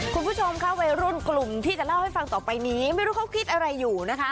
คุณผู้ชมค่ะวัยรุ่นกลุ่มที่จะเล่าให้ฟังต่อไปนี้ไม่รู้เขาคิดอะไรอยู่นะคะ